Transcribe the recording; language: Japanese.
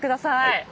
はい。